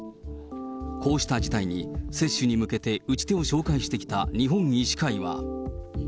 こうした事態に接種に向けて打ち手を紹介してきた日本医師会は。